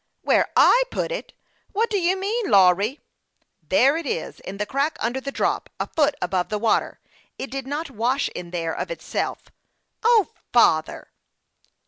" Where I put it ? What do you mean, Lawry ?"" There it is in the crack under the drop, a foot above the water. It did not wash in there of itself. O, father